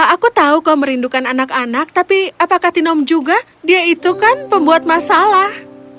aku tahu kau merindukan anak anak tapi apakah tinom juga dia itu kan pembuat masalah